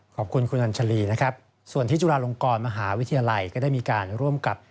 ขอบคุณคุณอัญชาลีนะครับส่วนที่จุฬาลงกรมหาวิทยาลัยก็ได้มีการร่วมกับ